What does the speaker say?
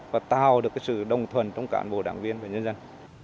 và tạo được sự đồng thuần trong cán bồ đảng viên và nhân dân